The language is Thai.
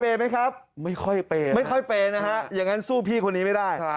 ไหมครับไม่ค่อยเปย์ไม่ค่อยเปย์นะฮะอย่างนั้นสู้พี่คนนี้ไม่ได้